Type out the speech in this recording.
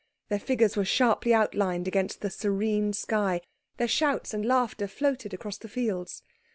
Their figures were sharply outlined against the serene sky; their shouts and laughter floated across the fields.